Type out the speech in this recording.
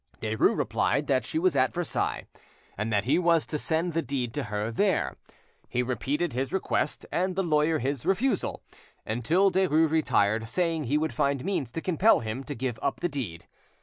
Derues replied that she was at Versailles, and that he was to send the deed to her there. He repeated his request and the lawyer his refusal, until Derues retired, saying he would find means to compel him to give up the deed.